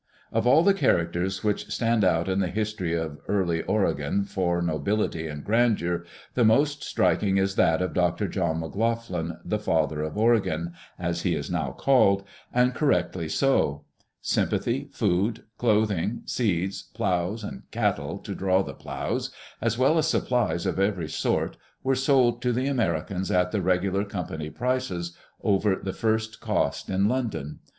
Of all the characters which stand out in the history of early Ore gon, for nobility and grandeur, the most striking is that of Dr. Jchn Digitized by CjOOQ IC BRIEF HISTORY FROM ORIGINAL SOURCES McLoughlin ;" the father of Oregon," as he is now called, and cor rectly so. Sympathy, food, clothing, seeds, ploughs, and cattle to draw the ploughs, as well as supplies of every sort were sold to the Americans at the regular Company prices over the first cost in Lon don.